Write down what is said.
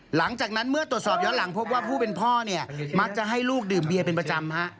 หลังจากนั้นเมื่อตรวจสอบย้อนหลังพบว่าผู้เป็นพ่อเนี่ยมักจะให้ลูกดื่มเบียเป็นประจำฮะ